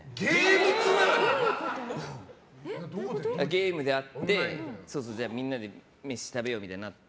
ゲームで会ってみんなで飯食べようってなって。